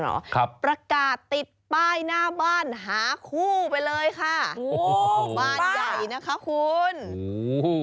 ครับประกาศติดป้ายหน้าบ้านหาคู่ไปเลยค่ะโอ้บ้านใหญ่นะคะคุณโอ้โห